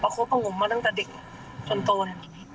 เอาครบของผมมาตั้งแต่เด็กชนโตน